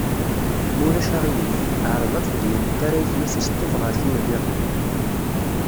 Ma ulac aɣilif, ɛreḍ abeddel n tarrayt n usesteb ɣer tin-nniḍen.